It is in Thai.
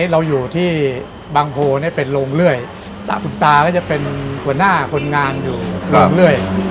เราอยู่ที่บางโพเป็นโรงเรื่อยคุณตาก็จะเป็นหัวหน้าคนงานอยู่โรงเรื่อย